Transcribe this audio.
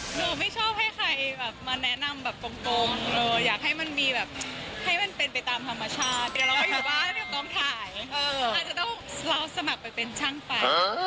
หนูไม่ชอบให้ใครแบบมาแนะนำเป็นตามธรรมชาติเหมือนต้องถ่ายใจอาจจะต้องเข้าแต่งสมัครมาเป็นช่างฟัง